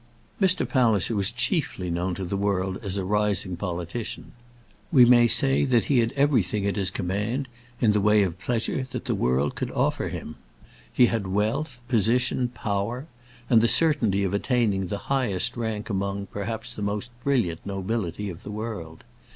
Mr. Palliser was chiefly known to the world as a rising politician. We may say that he had everything at his command, in the way of pleasure, that the world could offer him. He had wealth, position, power, and the certainty of attaining the highest rank among, perhaps, the most brilliant nobility of the world.